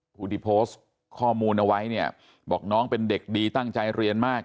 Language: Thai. ผู้ที่โพสต์ข้อมูลเอาไว้เนี่ยบอกน้องเป็นเด็กดีตั้งใจเรียนมาก